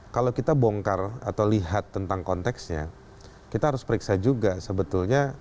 kalau kita bongkar atau lihat tentang konteksnya kita harus periksa juga sebetulnya